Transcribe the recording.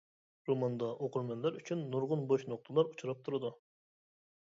روماندا ئوقۇرمەنلەر ئۈچۈن نۇرغۇن بوش نۇقتىلار ئۇچراپ تۇرىدۇ.